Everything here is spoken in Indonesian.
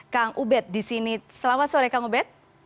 kang ubed selamat sore